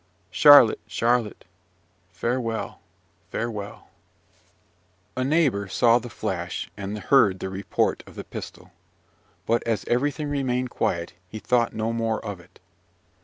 Charlotte, Charlotte! farewell, farewell!" A neighbour saw the flash, and heard the report of the pistol; but, as everything remained quiet, he thought no more of it.